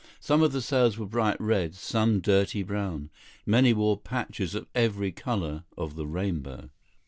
Some of the sails were bright red, some dirty brown. Many wore patches of every color of the rainbow.